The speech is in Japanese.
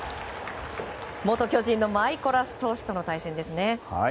元巨人のマイコラス投手との対戦ですね。